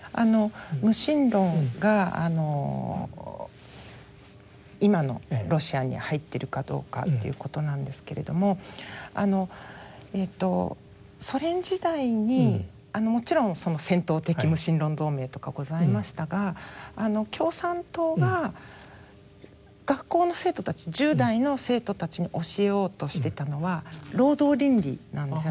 無神論が今のロシアに入ってるかどうかっていうことなんですけれどもソ連時代にもちろん戦闘的無神論同盟とかございましたが共産党が学校の生徒たち１０代の生徒たちに教えようとしてたのは労働倫理なんですよね。